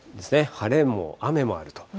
晴れも雨もあると。